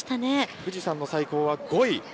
富士山の最高は５位。